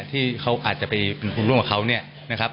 ที่เขาอาจจะไปลงทุนร่วมกับเขา